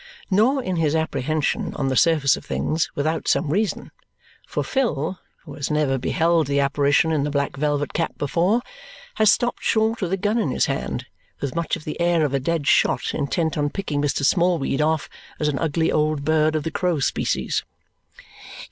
Nor in his apprehension, on the surface of things, without some reason, for Phil, who has never beheld the apparition in the black velvet cap before, has stopped short with a gun in his hand with much of the air of a dead shot intent on picking Mr. Smallweed off as an ugly old bird of the crow species.